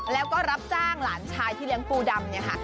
แล้วก็รับจ้างหลานชายที่เลี้ยงปูดำ